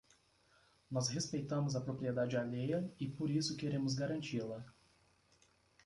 Nós respeitamos a propriedade alheia e por isso queremos garanti-la.